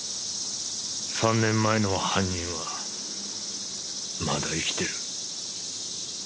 ３年前の犯人はまだ生きてる。